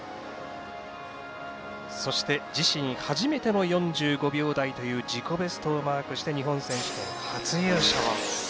そして、自身初めての４５秒台という自己ベストをマークして日本選手権初優勝。